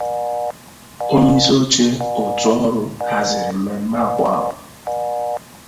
Onyeisioche òtù ọrụ haziri mmemme abụọ ahụ